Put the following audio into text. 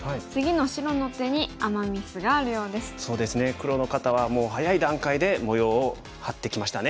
黒の方はもう早い段階で模様を張ってきましたね。